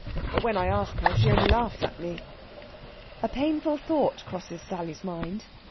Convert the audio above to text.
But when I ask her she only laughs at me." A painful thought crosses Sally's mind.